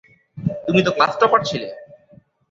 তুমি তো class topper ছিলে।